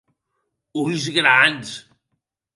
Ulls grans.